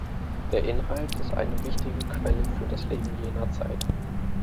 Der Inhalt ist eine wichtige Quelle für das Leben jener Zeit.